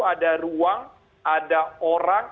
ada ruang ada orang